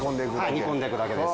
煮込んでいくだけです。